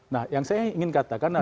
nah yang saya ingin katakan